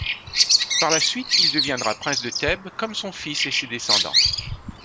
Par la suite, il deviendra prince de Thèbes comme son fils et ses descendants.